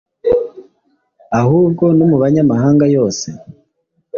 ahubwo no mu banyamahanga yose?